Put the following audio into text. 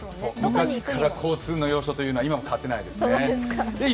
昔から交通の要衝というのは、今も変わっていないですね。